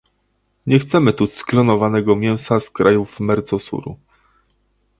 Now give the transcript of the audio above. Nie chcemy tu sklonowanego mięsa z krajów Mercosuru